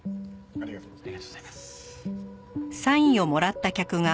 ありがとうございます。